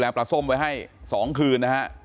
ปลาส้มกลับมาถึงบ้านโอ้โหดีใจมาก